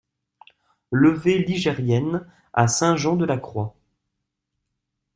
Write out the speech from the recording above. Levée Ligerienne à Saint-Jean-de-la-Croix